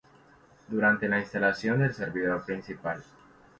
Durante la instalación del servidor principal